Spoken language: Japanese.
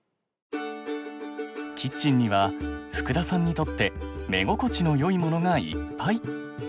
キッチンには福田さんにとって目心地のよいものがいっぱい。